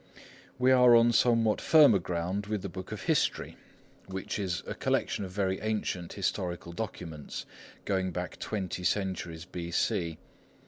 We are on somewhat firmer ground with the Book of History, which is a collection of very ancient historical documents, going back twenty centuries B.C.